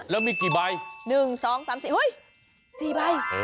แล้วมีกี่ใบ๑๒๓๔เฮ้ย๔ใบ